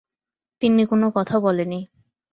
তিন্নি কোনো কথা বলে নি।